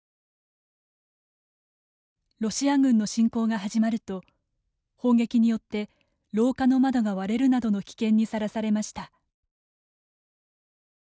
ロシア軍の侵攻が始まると砲撃によって廊下の窓が割れるなどの危険にさらされました。